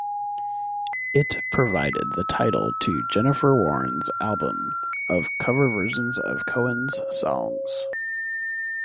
It provided the title to Jennifer Warnes' album of cover versions of Cohen's songs.